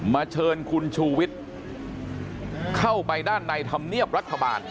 เชิญคุณชูวิทย์เข้าไปด้านในธรรมเนียบรัฐบาล